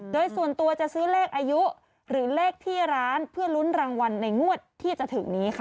โดยส่วนตัวจะซื้อเลขอายุหรือเลขที่ร้านเพื่อลุ้นรางวัลในงวดที่จะถึงนี้ค่ะ